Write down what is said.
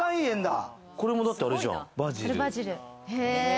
これもだってあれじゃん、バジル。